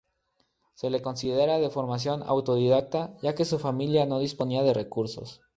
Se le considera de formación autodidacta, ya que su familia no disponía de recursos.